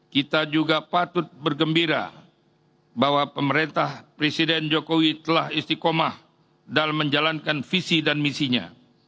kita juga patut bergembira bahwa pemerintah presiden jokowi telah istiqomah dalam menjalankan visi dan misinya